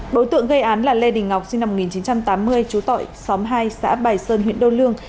đối tượng gây án là lê đình ngọc sinh năm một nghìn chín trăm tám mươi chú tại xóm hai xã bài sơn huyện đô lương